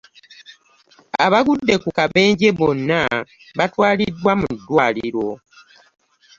Abagudde ku kabenje bonna batwaaliddwa mu ddwaliro.